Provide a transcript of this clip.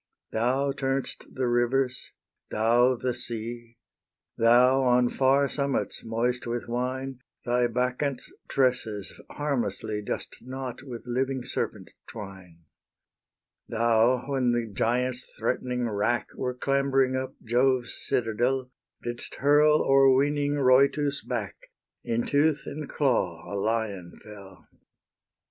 Thou turn'st the rivers, thou the sea; Thou, on far summits, moist with wine, Thy Bacchants' tresses harmlessly Dost knot with living serpent twine. Thou, when the giants, threatening wrack, Were clambering up Jove's citadel, Didst hurl o'erweening Rhoetus back, In tooth and claw a lion fell.